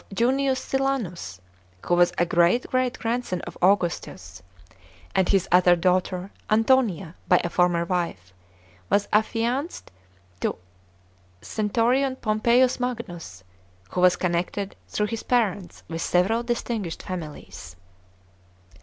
Junius Silanus, who was a great great grandson of Augustus; and his other daughter, Antonia, by a former wife, was affianced to Cn. Pompeius Magnus, who was connected through his parents with several distinguished families.